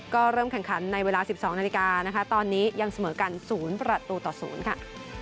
ก็เริ่มแข่งขันในเวลา๑๒นาฬิกานะคะตอนนี้ยังเสมอกัน๐ประตูต่อ๐ค่ะ